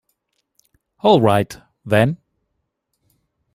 All right, then.